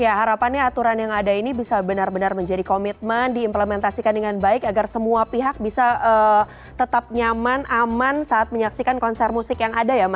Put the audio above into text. ya harapannya aturan yang ada ini bisa benar benar menjadi komitmen diimplementasikan dengan baik agar semua pihak bisa tetap nyaman aman saat menyaksikan konser musik yang ada ya mas